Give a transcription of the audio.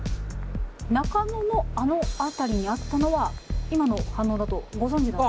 中野のあの辺りにあったのは今の反応だとご存じだった？